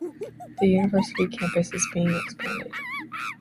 The University campus is being expanded.